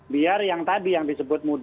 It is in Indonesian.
biar yang tadi yang disebut